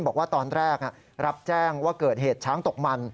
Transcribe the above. บอกว่าตอนแรกรับแจ้งว่าเกิดเหตุช้างตกมัน